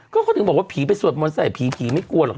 ก็เขาถึงบอกว่าผีไปสวดมนต์ใส่ผีผีไม่กลัวหรอก